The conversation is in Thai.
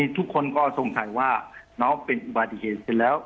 ทุกคนก็สงสัยว่าน้องเป็นบาทีเคส